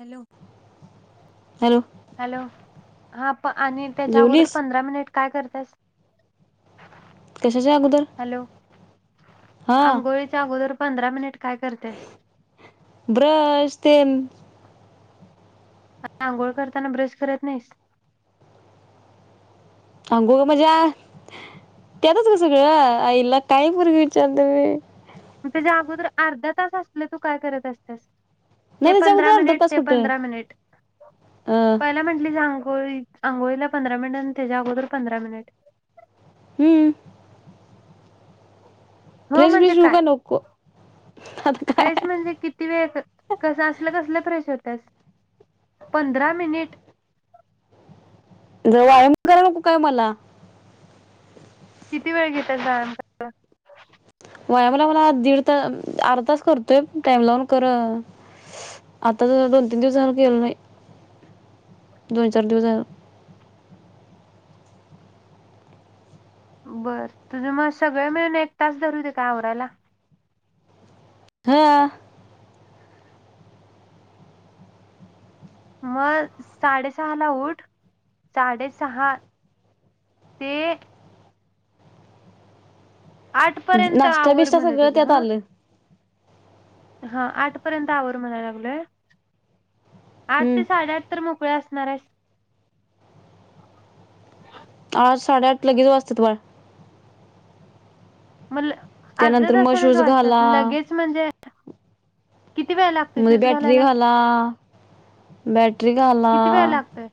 Hello, hello hello! हा आणि त्याच्या अगोदर जेवलीस पंधरा मिनिट काय करतास? कशाच्या अगोदर हॅलो, हा अंघोळीच्या अगोदर पंधरा मिनिट काय करतेस ब्रश ते आत्ता, आंघोळ करताना ब्रश करत नाहीस? अंगोळ ग म्हणजे, त्यातच ग सगळं आईला काय पोरगं विचारती [unintelligible] त्याच्याअगोदर अर्धा तास असले, तू काय करत असतेस? ते नाही त्याच्या पंधरा अगोदर अर्धा मिनिट, तास ते कुठं पंधरा मिनिट अं, पहिलं म्हंटलीांग [unintelligible] होय आंघोळीला पंधरा मिनिट, आणि त्याच्या अगोदर पंधरा मिनिट. हम्म. हो, फ्रेश म्हणजे फ्रेश होऊ काय? का नको फ्रेश म्हणजे किती वेळ? कस असलं-कसलं फ्रेश होतायत? पंधरा मिनिट ज वायाम करा नको काय मला [unintelligible] किती वेळ घेतात जा [unintelligible] व्यायामला दीड तास, अर्धा तास करतोय, टाइम लावून कर, आताच दोन तीन दिवस झालं केलं नाही, दोन चार दिवस झालं [unintelligible] बरं तुझं मग सगळे मिळून एक तास धरूते काम आवरायला? हा. मग साडेसहा ला उठ. साडेसहा ते आठ पर्यंत नाश्ता- आवर बिष्टा म्हण सगळं, तुझं त्यात हा आलं. हा आठ पर्यंत आवर म्हणायला लागलय. आठ हम्म ते साडेआठ तर मोकळे्या असणार आहे. ह [unintelligible] आठ साडेआठ लगेच वाजते होय. मल [unintelligible] अर्ध्या मग तासानच शूज वाचतात, घाला लगेच म्हणजे? किती वेळ लागतोय मध्ये शूज बॅटरी घालायला? घाला बॅटरी घाला किती वेळ लागतोय?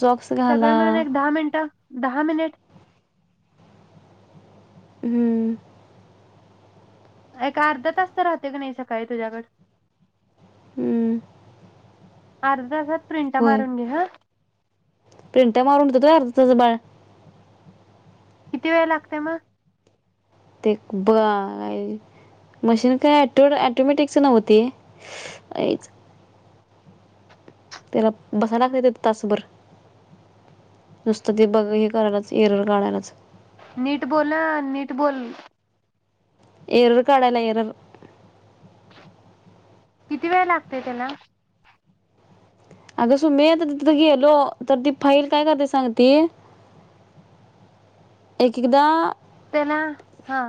सॉक्स घाला सगळे मिळून एक दहा मिनटं? दहा मिनिट. हम. एक अर्धा तास तर राहते का नाही सकाळी तुझ्याकड? हम. अर्धा तास प्रिंटा मारून घे हं प्रिंटा मारून होत्यात होय, अर्धा तासात बाळ? किती वेळ लागते मग? ते, ब.. का मशीन काही अँटोमॅटिकच नव्ह ते [unintelligible] त्याला बसायला लागतय, तासभर नुसतं ते बघ हे करायलाच एरवर काढायलाच. नीट बोला, नीट बोल. एरर काढयला एरर- किती वेळ लागतय त्याला? अग, सुमे आता तिथं गेलो, तर ती फाईल काय करते सांग ती एक एकदा- त्यांना हा-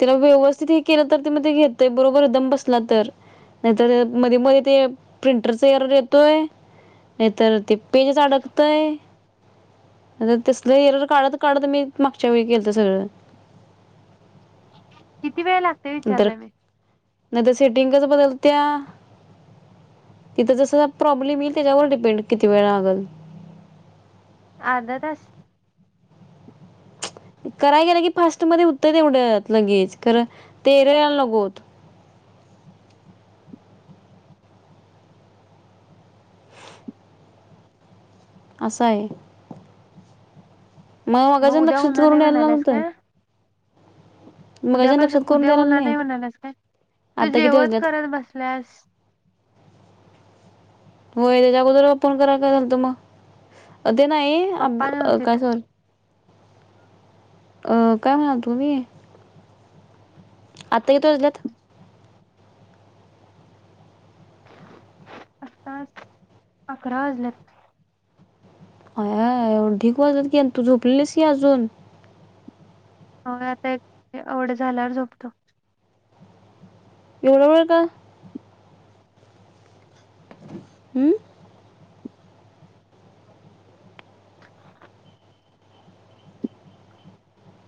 तिला व्यवस्थित हे केलं, तर ते म ते घेतय बरोबर एकदम बसला तर, नाहीतर मध्ये मध्ये ते प्रिंटरच एरर येतोय, नाहीतर ते पेजस अडकतय, तसलं एरर काढत काढत मी मागच्या वेळी केलत सगळं. ह [inaudible] किती वेळ लागते, विचारलं मी? नाही तर सेटिंगच बदलत्या, तिथं जस प्रॉब्लेम येईल, त्याच्यावर डिपेंड किती वेळ लागल. अर्धा तास? कराय गेलं की फास्ट मध्ये उत्तर तेवढ्यात लगेच, खर ते एरर यायला नगोत. अस आय. मग, मगाच्यान उद्या लक्ष होणार करून यायला नव्हतं. मगाच्यान उद्यापस- लक्षात करून उद्या द्यायला होणार नाही म्हणाल्यास काय तू आता किती जेवत वाजल्यात करत बसल्यास. होय, तेचा अगोदर फोन करायला काय झालत मग? ते नाही, अ.. पप्पा ब.. नव्हतीत काय स- अं.. काय म्हणालतो ग मी? आता किती वाजल्यात? आत्ता अकरा वाजल्यात. आ या या येवढ ढिग वाजल्यात, की तू झोपलेलीस की अजून? हो आता एक आवड झाल्यावर झोपतो. एवढं वेळ का? हं.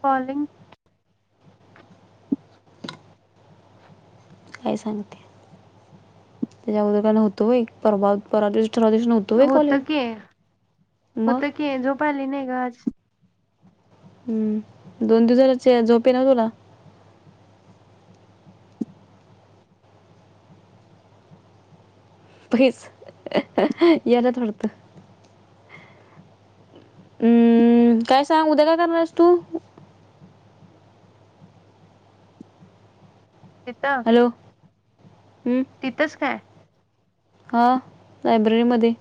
कॉलिंग- काय सांगते. त्याच्या अगोदर काय नव्हत होय? परवा पर होत की, मग होत की, झोप आली नाही ग आज. हम्म. दोन दिवस झालं झोप येईन तुला? पहिच याला थडत [unintelligible] हम्म... काय सांग? उद्या का करणार हायस तू? तिथं, हॅलो तिथंच काय? हा लायब्ररी मधे.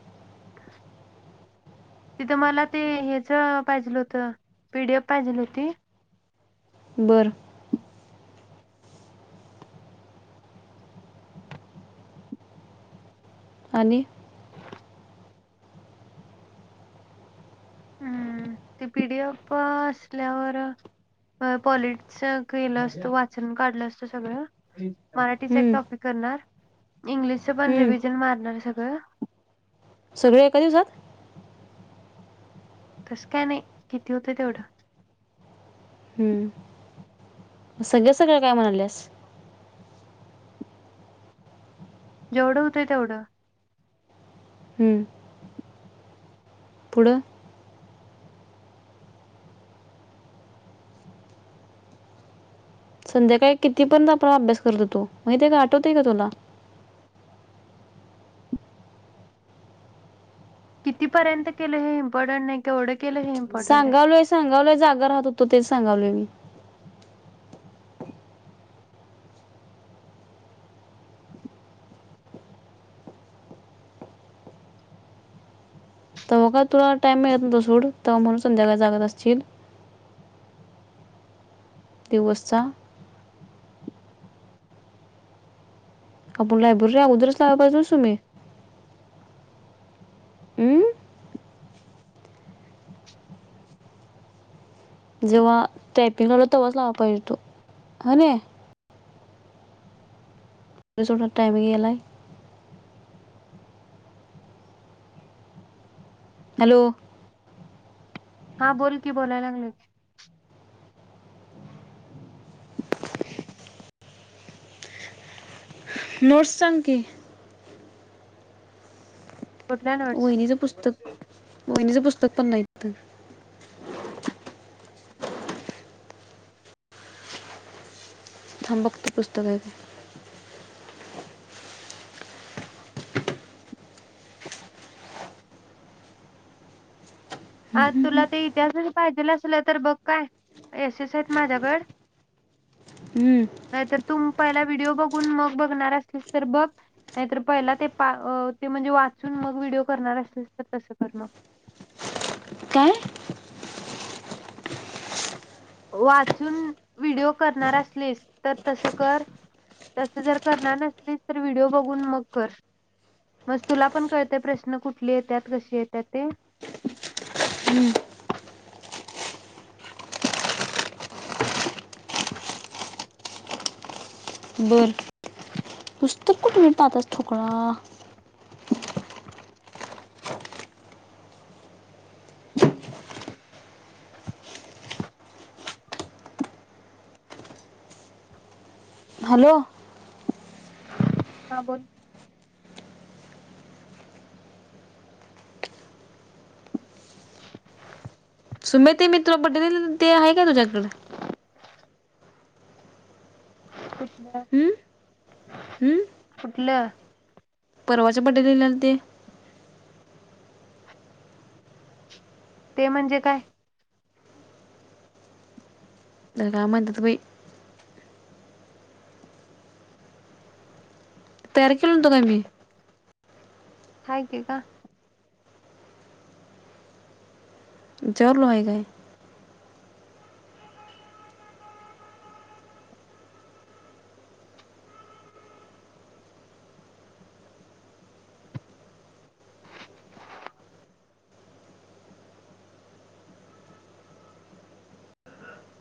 तिथं मला ते हच पाहिजेलं होत, पीडीएफ पाहिजेल होती. बरं. आणि? हम् ते पीडीएफ असल्यावर पॉलिटिक्स केलं असतं, वाचन काढलं असतं सगळं. मराठीच एक हं, टॉपिक करणार, इंग्लिशच पण हं. रिव्हिजन मारणार का सगळे एका दिवसात त स्कॅ नाही किती होतं तेवढं हम्म सगळ्या सगळ्या काय म्हणाल्यास जेवढं होत तेवढं हम्म पुढं संध्याकाळी कितीपर्यंत आपण अभ्यास करतो तो म्हग ते का आठवत आहे का तुला कितीपर्यंत केलं हे इम्पॉर्टंट नाहीवढं सांगावलंोय सांगालंय जाग राहत होतो तेच सांगावले मी तव्हा का तुला टाइम मिळत नव्हो सूड तेव्हा म्हणून संध्याकाळी जागत असतील दिवस्चा आपण लायब्ररी अगोदरच लावा पाजून सु मी हम् जेव्हा टायपिंग लाल तेव्हाच लावा पाहिजे तो ह न सोट टाइमे ग एलाय हॅलो हा बोल की बोलायला लागल मोोर्सांकी कुठल्या उ नोट्स नाही ज पुस्तक बहिणीचं पुस्तक पण नाही य थांभक्तो पुस्तक आहेेत आ तुला ते इतिहास पाहिजे असल तर बघ काय एस एस आहेत माझ्याकड हम्म तुम पहिला व्हिडिओ बघून मग बघणार असलीस तर बघ नाहीतर पहिला ते पा ते म्हणजे वाचून मग व्हडिओ करणार असस तर तस कर मग काय वाचून व्हिडिओ करणार असलीस तर तसं कर तसं जर करणार नसलीस तर व्हिडिओ बघून मग कर मग तुला पण कळते प्रश्न कुठले येत कसे येत्या ते बर पुस्तक कुठे मिनि पाहतच ठथोकळा हॅलो हां बोल सुमे ते मी तुला बडे ला दिलेलं ते आहे का तुझ्याकडं? कुठलं? हम्म? हम्म? कुठलं परवाच्या बड्डे दिलेल ते. ते म्हणजे काय? [unintelligible] ला काय म्हणत्यात बाई तयार केलं नव्हतो काय मी हाय की का? विचारलो हाय काय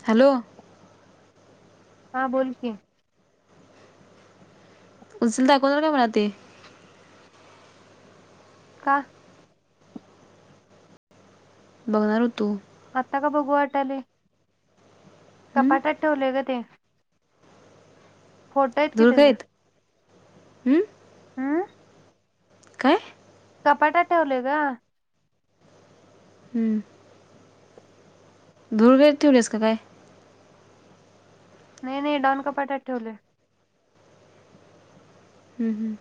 हॅलो हां बोल कि उचलून दाखव जरा मला ते का? बघणार होतो आता का बघू वाटलंय? हम्म? कपाटात ठेवलय ग ते फोटो हायत कि धूर त्याज. खाईत हम्म हां काय? कपाटात ठेवलोय ग धूळ खाईत ठेवलीस का काय? नाही नाही डॉन कपाटत ठेवलोय हम्म, हम्म.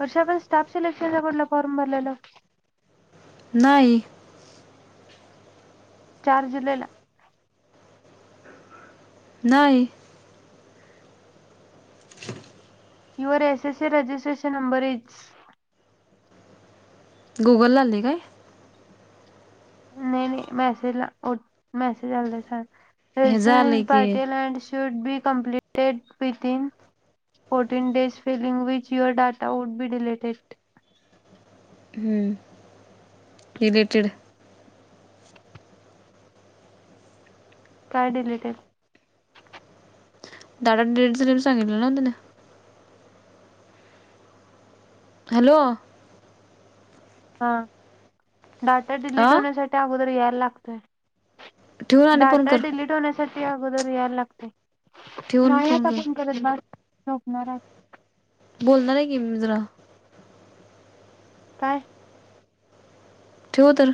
वर्षा आपण स्टाफ सिलेक्शनचा कुठला फॉर्म भरलेलो? नाही चार जुलै ला नाही your SSC registration number is गुगललाले काय नाही नाही मॅसेज ला ओ मॅसेज [unintelligible] हे झालंय फ्रेशर्स की party land [unintelligible] should be completed within fourteen days feeling which your data would be deleted. Deleted काय डिलीटेड? डाटा डिलिट झालंय म्हणून सांगितले नव तुला? हॅलो हां डाटा डिलीट आ होण्यासाठी आ गोदर याय लागतंय. ठेऊन आणि फोन कर ठी अगोदर याय लागतंय. ठेवून नाही फोन आता कर आपण करत बात झोपणार हाय. बोलणार आहे की मी जरा काय ठेऊ तर